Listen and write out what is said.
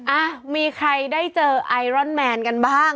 อ่ะมีใครได้เจอไอรอนแมนกันบ้าง